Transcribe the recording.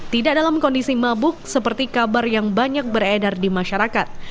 tidak dalam kondisi mabuk seperti kabar yang banyak beredar di masyarakat